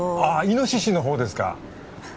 イノシシの方ですか？